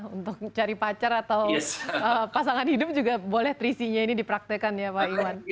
untuk cari pacar atau pasangan hidup juga boleh trisinya ini dipraktekan ya pak iwan